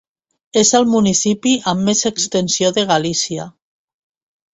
És el municipi amb més extensió de Galícia.